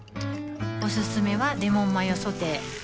おすすめはレモンマヨソテー